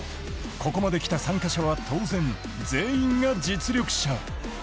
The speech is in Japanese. ここまで来た参加者は当然、全員が実力者。